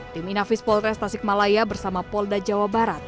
tim inavis polres tasik malaya bersama polda jawa barat